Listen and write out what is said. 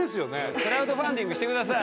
クラウドファンディングしてください。